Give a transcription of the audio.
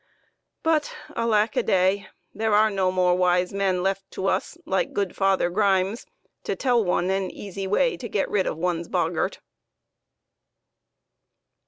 But, alackaday ! there are no more wise men left to us, like good Father Grimes, to tell one an easy way to get rid of one's boggart.